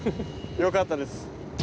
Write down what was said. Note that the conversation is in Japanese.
よかったです。